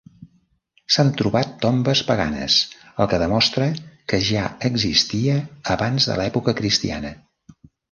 S'han trobat tombes paganes el que demostra que ja existia abans de l'època cristiana.